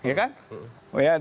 seperti kata si rahlan